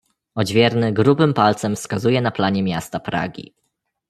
"Odźwierny grubym palcem wskazuje na planie miasta Pragi."